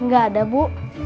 gak ada bu